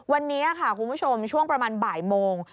วันนี้ค่ะคุณผู้ชมช่วงประมาณบ่ายโมง